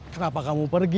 kenapa kamu pergi